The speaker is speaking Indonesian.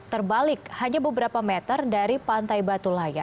terbalik hanya beberapa meter dari pantai batu layar